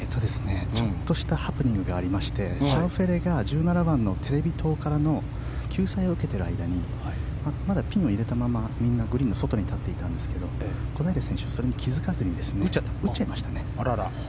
ちょっとしたハプニングがありましてシャウフェレが１７番のテレビ塔からの救済を受けている間にまだピンを入れたままみんなグリーンの外に立っていたんですが小平選手、それに気付かずに打っちゃいましたね。